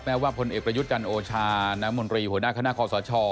ว่าพลเอกประยุทธ์จันทร์โอชาน้ำมนตรีหัวหน้าคณะคอสช